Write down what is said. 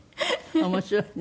面白いね。